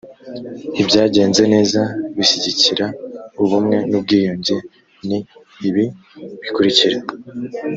ibyagenze neza bishyigikira ubumwe n’ubwiyunge ni ibi bikurikira: